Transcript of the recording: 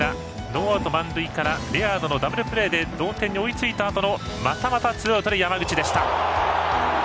ノーアウト満塁からレアードのダブルプレーの間に同点に追いついたあとのまたまたツーアウトで山口でした。